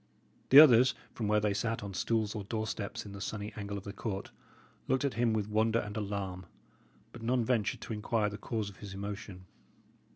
The others, from where they sat on stools or doorsteps in the sunny angle of the court, looked at him with wonder and alarm, but none ventured to inquire the cause of his emotion.